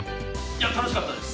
楽しかったです。